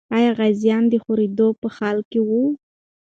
آیا غازیان د خورېدو په حال کې وو؟